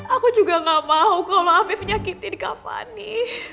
aku juga gak mau kalau afif nyakitin kak fani